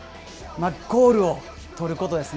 ゴールを取ることですね。